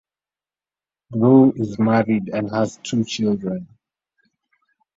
Brou is married and has two children.